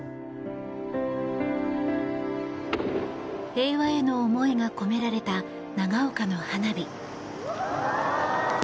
平和への思いが込められた長岡の花火。